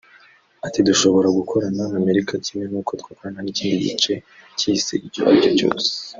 Ati “Dushobora gukorana n’Amerika kimwe n’uko twakorana n’ikindi gice cy’isi icyo aricyo cyose